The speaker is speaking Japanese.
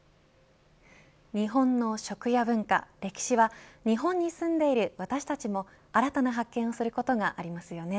日本の食や文化、歴史は日本に住んでいる私たちも新たな発見をすることがありますよね。